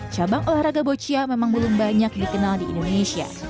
cabang olahraga boccia memang belum banyak dikenal di indonesia